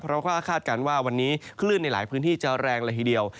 เพราะว่าคาดการณ์ว่าวันนี้คลื่นในหลายพื้นที่จะแรงเลยทีเดียว